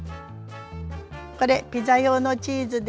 これピザ用のチーズです。